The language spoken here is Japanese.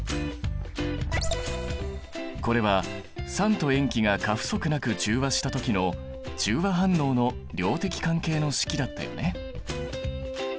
これは酸と塩基が過不足なく中和した時の中和反応の量的関係の式だったよね。